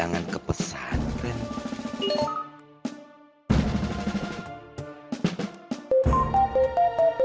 antum selesai bertetap di kolam horror musim